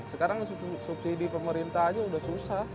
sekarang subsidi pemerintah aja udah susah